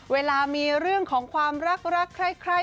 เวลามีเรื่องของความรักใคร